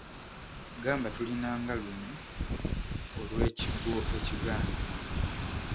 Gamba tulina nga luno olw’ekigwo ekiganda.